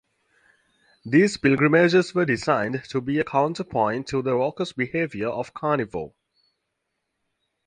These pilgrimages were designed to be a counterpoint to the raucous behavior of Carnival.